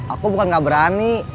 aku bukan gak berani